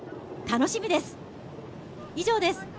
楽しみです。